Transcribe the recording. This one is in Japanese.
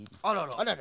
あらら。